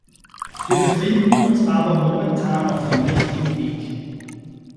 Wir befinden uns aber momentan auf dem richtigen Weg.